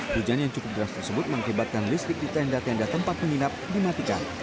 hujan yang cukup deras tersebut mengakibatkan listrik di tenda tenda tempat menginap dimatikan